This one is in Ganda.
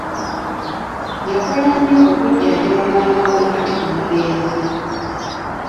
Yakola nnyo okujjanjaba maama we kati omugenzi.